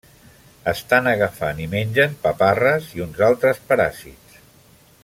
Estan agafant i mengen paparres i uns altres paràsits.